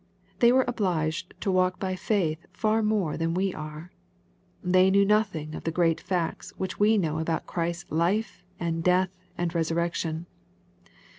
They were obliged to walk by faith far more than we are. They knew nothing of the great facts which we know about Christ's life, and death, and resurrection.